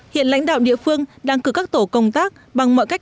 hiện lãnh đạo địa phương đang cử các tổ công tác